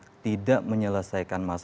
sehingga tidak menyelesaikan masalah